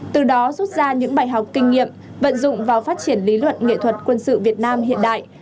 từ đó rút ra những bài học kinh nghiệm vận dụng vào phát triển lý luận nghệ thuật quân sự việt nam hiện đại